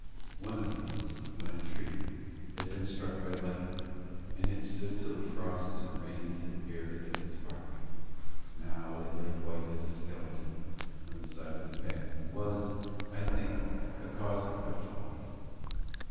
One of these, when a tree, had been struck by lightning, and had stood till the frosts and rains had bared it of its bark. Now it lay white as a skeleton by the side of the path, and was, I think, the cause of what followed.